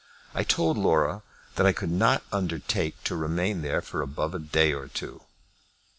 I told Laura that I could not undertake to remain there for above a day or two."